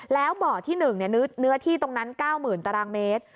แล้วบ่อที่หนึ่งเนื้อที่ตรงนั้นเก้ามื่นตารางเมตร